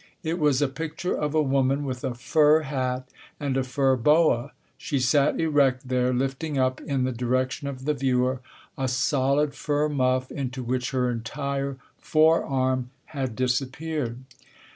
It was a picture of a woman with a fur hat and a fur boa. She sat erect there, lifting up in the direction of the viewer a solid fur muff into which her entire forearm had disappeared.